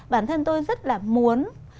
bản thân tôi rất là muốn